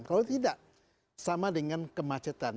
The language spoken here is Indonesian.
kalau tidak sama dengan kemacetan